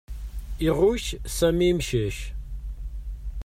Iɣucc Sami imcac.